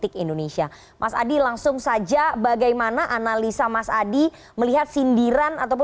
akan kutip nah itu